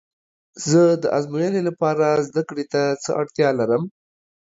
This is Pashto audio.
زه د ازموینې لپاره زده کړې ته څه اړتیا لرم؟